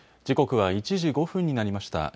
時刻は１時５分になりました。